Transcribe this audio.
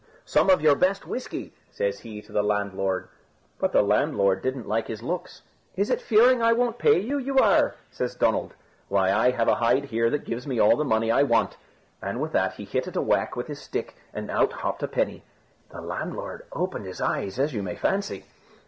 "Some of your best whisky," says he to the landlord. But the landlord didn't like his looks. "Is it fearing I won't pay you, you are?" says Donald; "why I have a hide here that gives me all the money I want." And with that he hit it a whack with his stick and out hopped a penny. The landlord opened his eyes, as you may fancy.